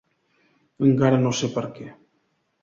Encara no sé per què.